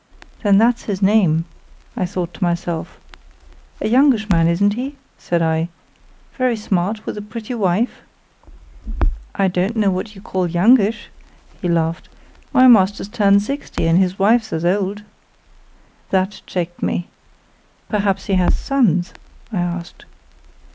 "Then that's his name, thought I to myself. 'A youngish man, isn't he?' said I, 'very smart, with a pretty wife?' "'I don't know what you call youngish,' he laughed, 'my master's turned sixty, and his wife's as old.' "That checked me. 'Perhaps he has sons?' I asked.